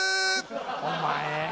お前。